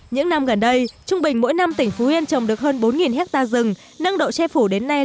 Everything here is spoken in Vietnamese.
những năm gần đây trung bình mỗi năm tỉnh phú yên trồng được hơn bốn hectare rừng năng độ che phủ đến nay lên ba mươi chín bốn